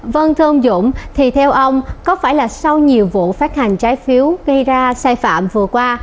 vân thương dũng thì theo ông có phải là sau nhiều vụ phát hành trái phiếu gây ra sai phạm vừa qua